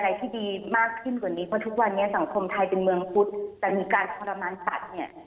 กว่าทุกวันนี้สังคมไทยเป็นเมืองฟุตแต่มีการทรมานตัดเนี่ย